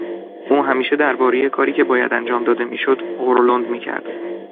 او همیشه دربارهی کاری که باید انجام داده میشد غرولند میکرد.